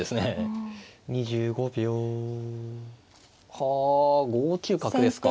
はあ５九角ですか。